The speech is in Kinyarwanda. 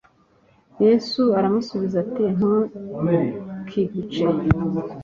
Yesu aramusubiza ati ntukice